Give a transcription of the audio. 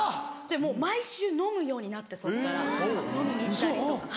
毎週飲むようになってそこから飲みに行ったりとか。